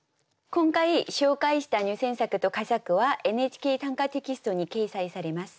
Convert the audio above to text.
今回紹介した入選作と佳作は「ＮＨＫ短歌」テキストに掲載されます。